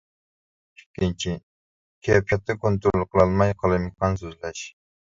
ئىككىنچى: كەيپىياتنى كونترول قىلالماي قالايمىقان سۆزلەش.